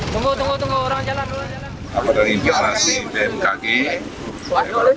kementerian agar bersetara republik bungesuk humoris mada doll dri ke komunikasi kepala netes mallable aritip tiga puluh enam